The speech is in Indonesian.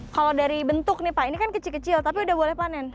kalau dari bentuk nih pak ini kan kecil kecil tapi udah boleh panen